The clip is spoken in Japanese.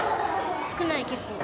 少ない、結構。